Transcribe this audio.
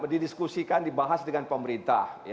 didiskusikan dibahas dengan pemerintah